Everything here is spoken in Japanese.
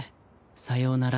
さようなら。